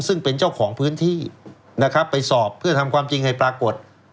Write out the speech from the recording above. ซึ่งเป็นเจ้าของพื้นที่นะครับไปสอบเพื่อทำความจริงให้ปรากฏ